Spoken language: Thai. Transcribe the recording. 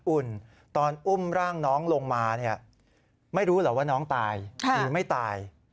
อุ่นตอนอุ้มร่างน้องลงมาเนี่ยไม่รู้เหรอว่าน้องตายหรือไม่ตาย